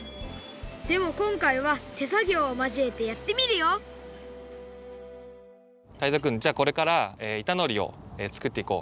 でもこんかいはてさぎょうをまじえてやってみるよタイゾウくんじゃあこれからいたのりをつくっていこう。